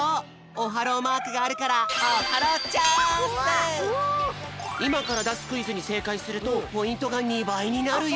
オハローマークがあるからいまからだすクイズにせいかいするとポイントが２ばいになるよ。